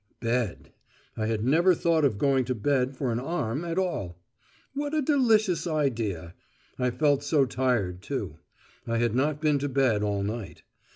Bed! I had never thought of going to bed for an arm at all! What a delicious idea! I felt so tired, too. I had not been to bed all night.